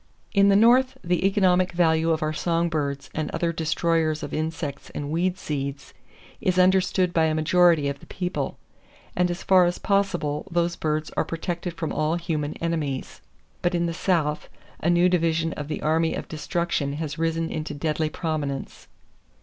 In the North, the economic value of our song birds and other destroyers of insects and weed seeds is understood by a majority of the people, and as far as possible those birds are protected from all human enemies. But in the South, a new division of the Army of Destruction has risen into deadly prominence.